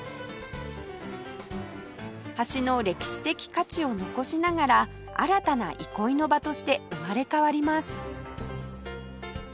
橋の歴史的価値を残しながら新たな憩いの場として生まれ変わります